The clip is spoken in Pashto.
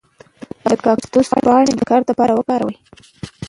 د کاکتوس پاڼې د شکر لپاره وکاروئ